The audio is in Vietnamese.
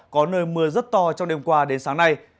có nơi mưa rất to trong đêm qua đến sáng nay